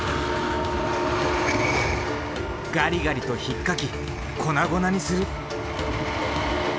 ガリガリとひっかき粉々にする。